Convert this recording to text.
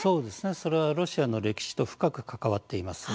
それはロシアの歴史と深く関わっています。